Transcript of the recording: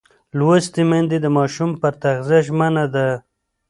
لوستې میندې د ماشوم پر تغذیه ژمنه ده.